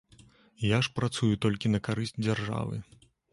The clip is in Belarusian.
Я ж працую толькі на карысць дзяржавы.